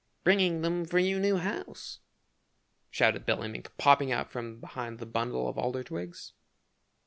"Bringing them for your new house," shouted Billy Mink, popping out from behind the bundle of alder twigs.